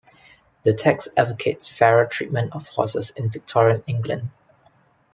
The text advocates fairer treatment of horses in Victorian England.